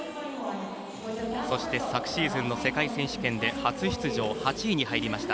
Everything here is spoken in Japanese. そして、昨シーズンの世界選手権で初出場８位。